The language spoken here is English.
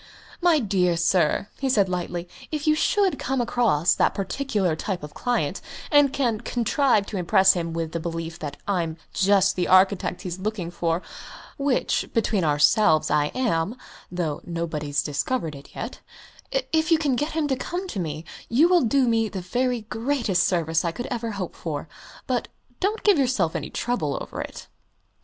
"My dear sir," he said lightly, "if you should come across that particular type of client, and can contrive to impress him with the belief that I'm just the architect he's looking out for which, between ourselves, I am, though nobody's discovered it yet if you can get him to come to me, you will do me the very greatest service I could ever hope for. But don't give yourself any trouble over it."